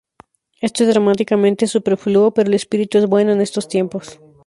Esto es dramáticamente superfluo, pero el espíritu es bueno en estos tiempos.